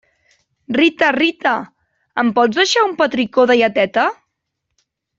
Rita, Rita, em pots deixar un petricó de lleteta?